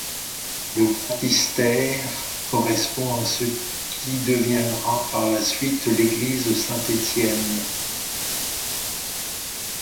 Le baptistère correspond à ce qui deviendra par la suite l'église Saint-Étienne.